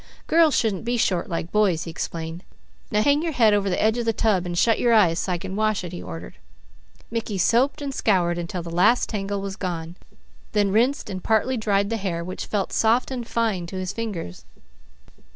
"Girls' shouldn't be short, like boys'," he explained. "Now hang your head over the edge of the tub and shut your eyes so I can wash it," he ordered. Mickey soaped and scoured until the last tangle was gone, then rinsed and partly dried the hair, which felt soft and fine to his fingers.